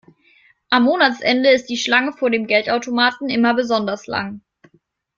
Am Monatsende ist die Schlange vor dem Geldautomaten immer besonders lang.